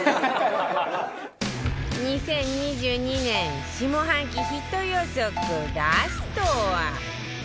２０２２年下半期ヒット予測ラストは